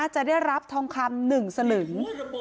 จะได้รับทองคำหนึ่งสลึง